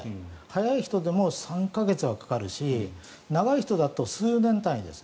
早い人でも３か月はかかるし長い人だと数年単位です。